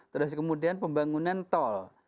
terus kemudian pembangunan tol